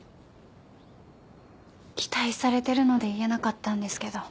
期待されてるので言えなかったんですけど。